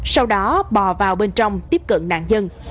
sau đó bò vào bên trong tiếp cận nạn nhân